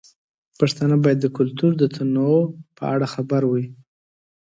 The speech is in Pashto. پښتانه باید د کلتور د تنوع په اړه خبر وي.